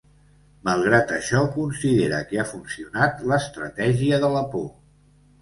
Malgrat això, considera que ha funcionat lestratègia de la por.